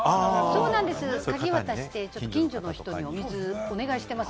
鍵を渡して近所の人に、お水をお願いしてます。